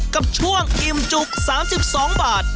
กับช่วงอิ่มจุก๓๒บาท